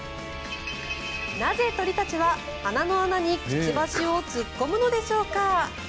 なぜ、鳥たちは鼻の穴にくちばしを突っ込むのでしょうか。